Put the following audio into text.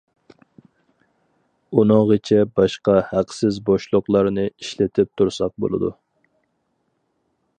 ئۇنىڭغىچە باشقا ھەقسىز بوشلۇقلارنى ئىشلىتىپ تۇرساق بولىدۇ.